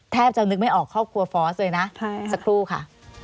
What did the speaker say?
จะนึกไม่ออกครอบครัวฟอสเลยนะสักครู่ค่ะ